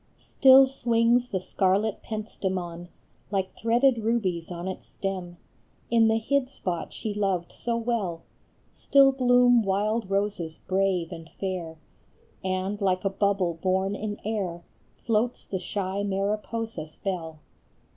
TILL swings the scarlet pentstemon Like threaded rubies on its stem, In the hid spot she loved so well ; Still bloom wild roses brave and fair, And like a bubble borne in air Floats the shy Mariposa s bell.